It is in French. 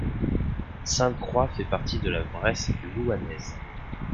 Sainte-Croix fait partie de la Bresse louhannaise.